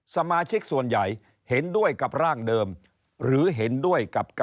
สมาชิกส่วนใหญ่เห็นด้วยกับ